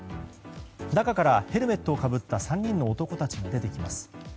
中からヘルメットをかぶった３人の男たちが出てきます。